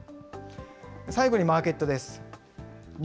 最後にマーケットです。